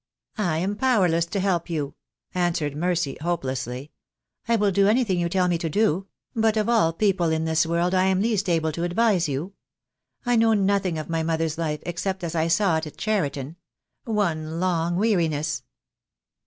'"I am powerless to help you," answered Mercy, hope lessly. "I will do anything you tell me to do — but of all people in this world I am least able to advise you. I know nothing of my mother's life except as I saw it at Cheriton — one long weariness."